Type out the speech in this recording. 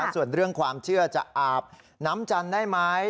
ส่วนเรื่องความเชื่อจะอาบน้ำจันทร์ได้ไหม